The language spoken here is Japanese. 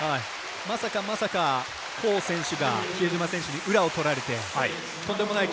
まさかまさかコー選手が比江島選手に裏をとられて。